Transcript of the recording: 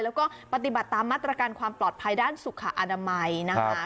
แล้วก็ปฏิบัติตามมาตรการความปลอดภัยด้านสุขอนามัยนะคะ